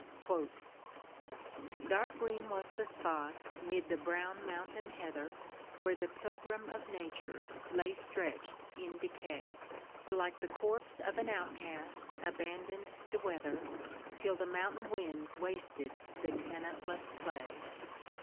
"Dark green was the spot 'mid the brown mountain heather, Where the pilgrim of nature lay stretch'd in decay; Like the corpse of an outcast abandon'd to weather, 'Till the mountain winds wasted the tenantless clay.